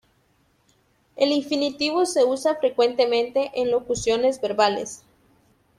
El infinitivo se usa frecuentemente en locuciones verbales.